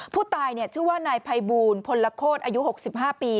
ผู้ตายชื่อว่านายภัยบูลพลโคตรอายุ๖๕ปี